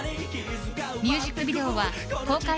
ミュージックビデオは公開